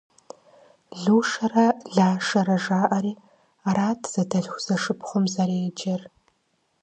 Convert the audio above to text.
Лушэрэ Лашэрэ жаӏэри арат зэдэлъху-зэшыпхъум зэреджэр.